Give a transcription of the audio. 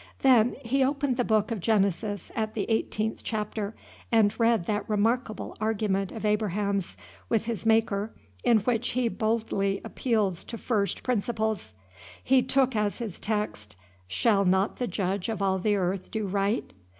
Then he opened the book of Genesis at the eighteenth chapter and read that remarkable argument of Abraham's with his Maker in which he boldly appeals to first principles. He took as his text, "Shall not the Judge of all the earth do right?"